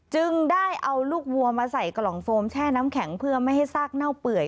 จึงได้เอาลูกวัวมาใส่กล่องโฟมแช่น้ำแข็งเพื่อไม่ให้ซากเน่าเปื่อย